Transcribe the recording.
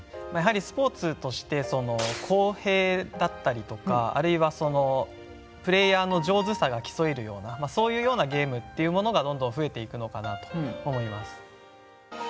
やはりスポーツとして公平だったりとかあるいはそのプレーヤーの上手さが競えるようなそういうようなゲームっていうものがどんどん増えていくのかなと思います。